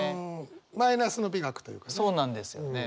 マイナスの美学というかね。